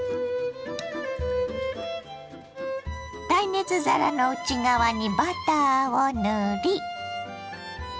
耐熱皿の内側にバターを塗り。